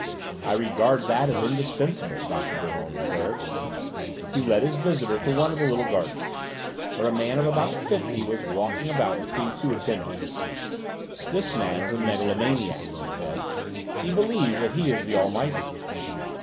"I regard that as indispensable," Dr. Biron declared. He led his visitor to one of the little gardens, where a man of about fifty was walking about between two attendants. "This man is a megalomaniac," he said: "he believes that he is the Almighty."